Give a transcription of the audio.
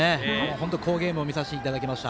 本当に好ゲームを見させていただきました。